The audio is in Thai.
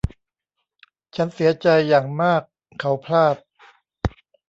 ฉันเสียใจอย่างมากเขาพลาด